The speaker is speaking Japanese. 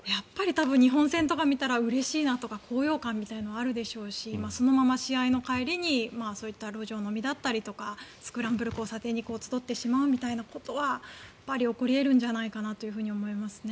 日本戦とか見たらうれしいなとか高揚感みたいなものはあるでしょうしそのまま試合の帰りにそういった路上飲みだったりとかスクランブル交差点に集ってしまうということは起こり得るんじゃないかと思います。